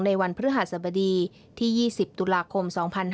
วันพฤหัสบดีที่๒๐ตุลาคม๒๕๕๙